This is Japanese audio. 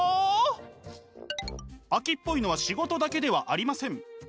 飽きっぽいのは仕事だけではありません。